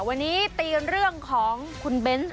วันนี้ตีเรื่องของคุณเบนส์